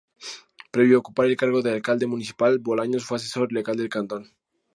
Previo a ocupar el cargo de alcalde municipal, Bolaños fue asesor legal del cantón.